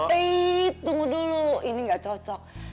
eith tunggu dulu ini gak cocok